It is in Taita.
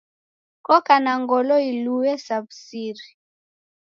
Koka na ngolo ilue sa wu'siri